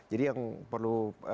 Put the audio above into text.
jadi yang perlu